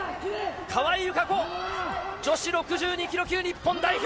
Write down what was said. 川井友香子、女子６２キロ級日本代表。